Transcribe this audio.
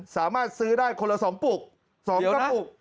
สามารถซื้อได้คนละ๒ปุก๒กระปุก